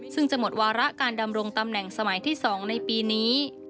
ซึ่งจะหมดวาระการดำรงตำแหน่งสมัยที่๒ในปีนี้